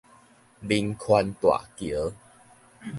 民權大橋